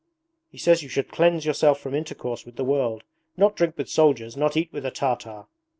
He says you should cleanse yourself from intercourse with the world, not drink with soldiers, not eat with a Tartar.'